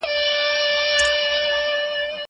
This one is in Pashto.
زه چپنه پاک کړې ده!!